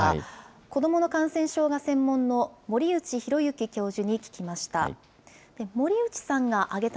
子どもの感染症が専門の森内浩幸教授に聞きました。